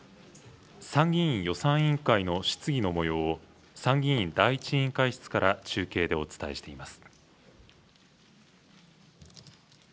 参議院予算委員会の質疑のもようを参議院第１委員会室から中継でお伝えしています。